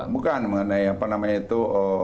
bukan mengenai apa namanya itu